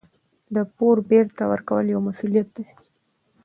د پور بېرته ورکول یو مسوولیت دی.